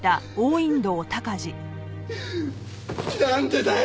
なんでだよ！